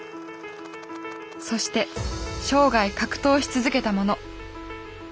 そして生涯格闘し続けたもの。